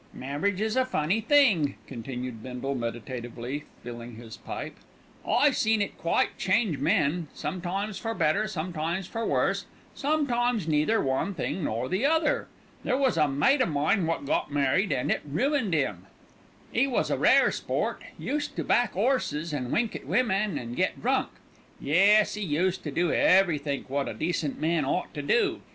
"Marriage is a funny thing," continued Bindle, meditatively filling his pipe. "I seen it quite change men, sometimes for better, sometimes for worse, sometimes neither one thing nor the other. There was a mate o' mine wot got married and it ruined 'im. "'E was a rare sport; used to back 'orses and wink at women and get drunk; yes, 'e used to do everythink wot a decent man ought to do.